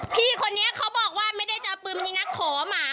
พี่คนนี้เขาบอกว่าไม่ได้จะเอาปืนมายิงนักขอหมา